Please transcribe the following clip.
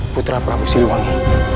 putra prabu siliwangi